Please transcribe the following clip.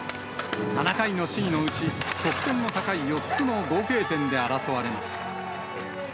７回の試技のうち、得点の高い４つ合計点で争われます。